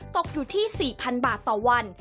ตกอยู่ที่๔๐๐๐บาทต่อวัน